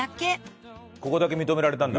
ここだけ認められたんだ。